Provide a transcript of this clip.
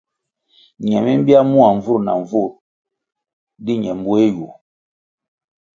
Ñe mi mbya mua nvur na nvur di ñe mbueh yu.